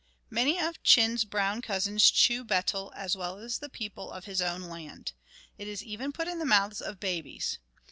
Many of Chin's brown cousins chew betel, as well as the people of his own land. It is even put in the mouths of babies.